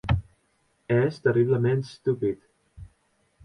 Ès terriblaments estupid.